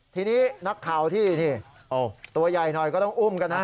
ทีนี้นักข่าวที่นี่ตัวใหญ่หน่อยก็ต้องอุ้มกันนะ